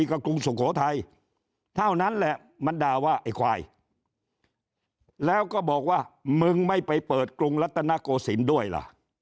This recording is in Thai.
ก็กรุงสุโขทัยเท่านั้นแหละมันด่าว่าไอ้ควายแล้วก็บอกว่ามึงไม่ไปเปิดกรุงรัตนโกศิลป์ด้วยล่ะ